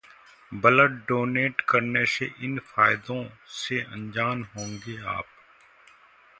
blood donate करने के इन फायदों से अनजान होंगे आप